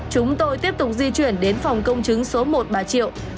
chúng tôi tiếp tục di chuyển đến phòng công chứng số một bà triệu